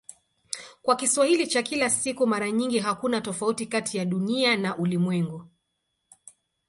Kwa Kiswahili cha kila siku mara nyingi hakuna tofauti kati ya "Dunia" na "ulimwengu".